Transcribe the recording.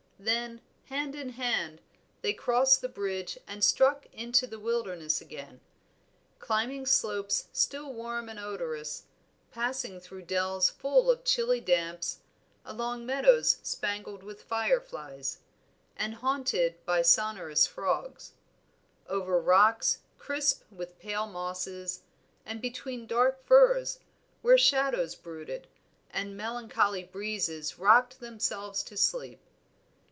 Then, hand in hand they crossed the bridge and struck into the wilderness again; climbing slopes still warm and odorous, passing through dells full of chilly damps, along meadows spangled with fire flies, and haunted by sonorous frogs; over rocks crisp with pale mosses, and between dark firs, where shadows brooded, and melancholy breezes rocked themselves to sleep.